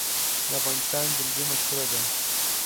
د افغانستان جلبي مشهوره ده